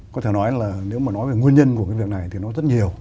có thể nói là nếu mà nói về nguyên nhân của cái việc này thì nó rất nhiều